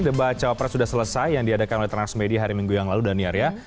deba cawapres sudah selesai yang diadakan oleh transmedia hari minggu yang lalu dan nyariah